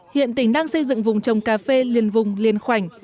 hiện tỉnh đang xây dựng vùng trồng cà phê liền vùng liền khoảnh